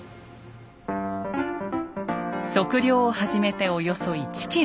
測量を始めておよそ１ｋｍ。